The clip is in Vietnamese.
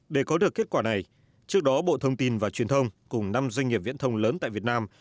để có được kết quả này trước đó bộ thông tin và truyền thông cùng năm doanh nghiệp viễn thông lớn tại việt nam